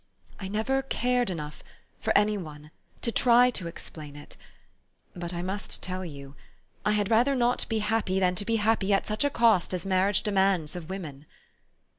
" I never cared enough for any one to try to explain it. But I must tell you. I had rather not be happy than to be happy at such a cost as marriage demands of women."